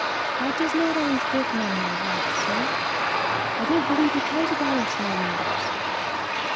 "God does not always give men their rights, sir! I don't believe he cares about our small matters!"